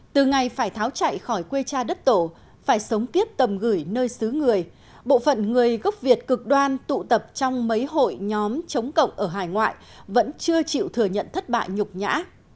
từ ngày phải tháo chạy khỏi quê cha đất tổ phải sống tiếp tầm gửi nơi xứ người bộ phận người gốc việt cực đoan tụ tập trong mấy hội nhóm chống cộng ở hải ngoại vẫn chưa chịu thừa nhận thất bại nhục nhã